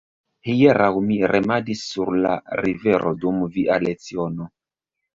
Hieraŭ mi remadis sur la rivero dum via leciono.